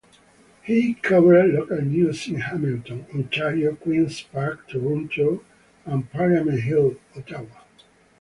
He covered local news in Hamilton, Ontario, Queen's Park, Toronto and Parliament Hill, Ottawa.